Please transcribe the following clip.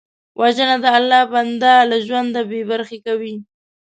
وژنه د الله بنده له ژونده بېبرخې کوي